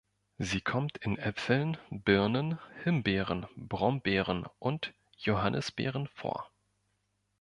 Sie kommt in Äpfeln, Birnen, Himbeeren, Brombeeren und Johannisbeeren vor.